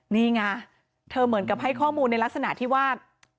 นี่ไงเธอเหมือนกับให้ข้อมูลในลักษณะที่ว่า